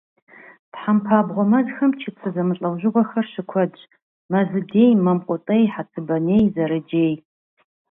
Тхьэмпабгъуэ мэзхэм чыцэ зэмылӀэужьыгъуэхэр щыкуэдщ: мэзыдей, мамкъутей, хъэцыбаней, зэрыджей.